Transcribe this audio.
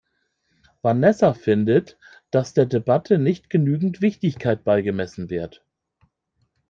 Vanessa findet, dass der Debatte nicht genügend Wichtigkeit beigemessen wird.